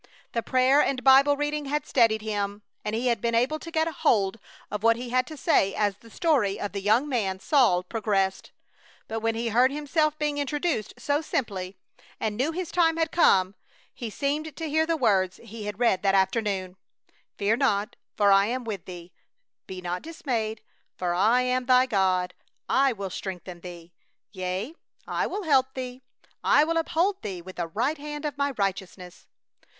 The prayer and Bible reading had steadied him, and he had been able to get hold of what he had to say as the story of the young man Saul progressed. But when he heard himself being introduced so simply, and knew his time had come, he seemed to hear the words he had read that afternoon: Fear not; for I am with thee: be not dismayed; for I am thy God: I will strengthen thee; yea, I will help thee; yea, I will uphold thee with the right hand of my righteousness.